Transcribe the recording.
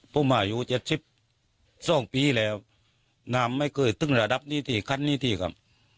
ผมอายุ๗๒ปีแล้วน้ำไม่เคยถึงระดับนี้ที่คันนี้ทีครับ